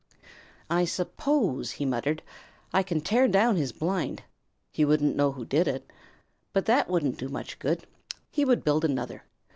"I suppose," he muttered, "I can tear down his blind. He wouldn't know who did it. But that wouldn't do much good; he would build another.